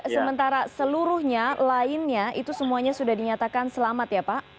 sementara seluruhnya lainnya itu semuanya sudah dinyatakan selamat ya pak